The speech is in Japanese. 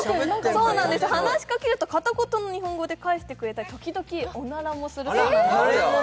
話しかけると、片言の日本語で返してくれたり、時々、おならもするそうなんです。